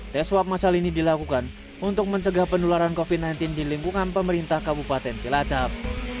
tes swab masal ini dilakukan untuk mencegah penularan covid sembilan belas di lingkungan pemerintah kabupaten cilacap